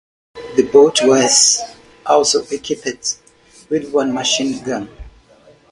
The boat was also equipped with one machine gun.